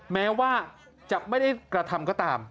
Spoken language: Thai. แม้ว่าจะไม่ได้กระทำก็ตาม